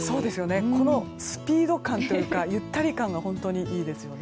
このスピード感というかゆったり感が本当にいいですよね。